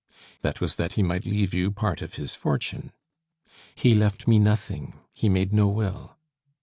"That was that he might leave you part of his fortune." "He left me nothing; he made no will."